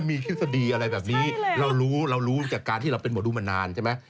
มีทฤษฎีอะไรแบบนี้เรารู้เรารู้จากการที่เราเป็นหมอดูมานานใช่ไหม